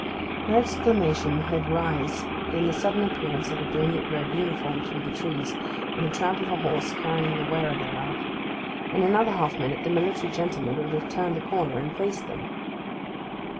Her exclamation had rise in the sudden appearance of a brilliant red uniform through the trees, and the tramp of a horse carrying the wearer thereof. In another half minute the military gentleman would have turned the corner, and faced them.